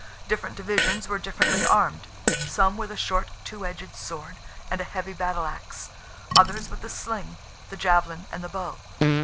Different divisions were differently armed; some with a short two edged sword and a heavy battle axe; others with the sling, the javelin, and the bow.